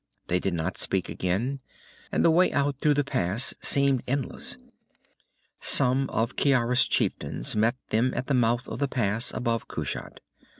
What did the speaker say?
They did not speak again, and the way out through the pass seemed endless. Some of Ciara's chieftains met them at the mouth of the pass above Kushat.